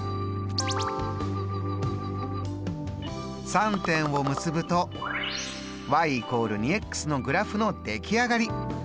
３点を結ぶと＝２のグラフの出来上がり。